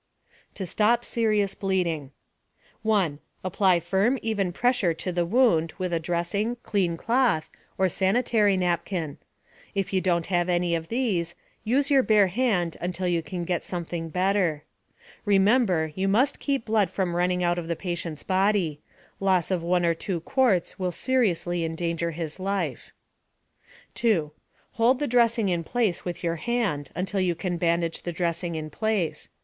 TO STOP SERIOUS BLEEDING 1. Apply firm, even pressure to the wound with a dressing, clean cloth, or sanitary napkin. If you don't have any of these, use your bare hand until you can get something better. Remember, you must keep blood from running out of the patient's body. Loss of 1 or 2 quarts will seriously endanger his life. 2. Hold the dressing in place with your hand until you can bandage the dressing in place.